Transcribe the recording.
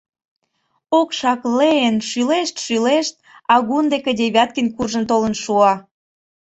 Окшаклен, шӱлешт-шӱлешт агун деке Девяткин куржын толын шуо.